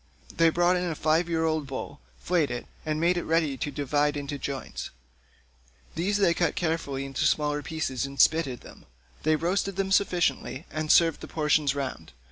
They brought in a five year old bull, flayed it, made it ready and divided it into joints; these they then cut carefully up into smaller pieces and spitted them; they roasted them sufficiently and served the portions round.